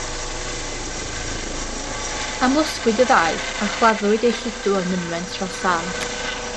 Amlosgwyd y ddau, a chladdwyd eu lludw ym mynwent Rhosan.